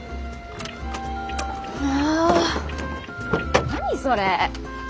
もう何それ？